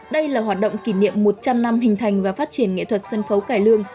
đây là hoạt động kỷ niệm một trăm linh năm hình thành và phát triển nghệ thuật sân khấu cải lương